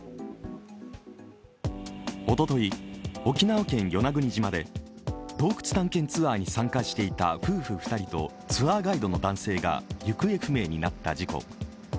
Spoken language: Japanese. おととい、沖縄県与那国島で洞窟探検ツアーに参加していた夫婦２人とツアーガイドの男性が行方不明になった事故。